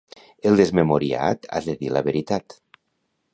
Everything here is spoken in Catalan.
El desmemoriat ha de dir la veritat.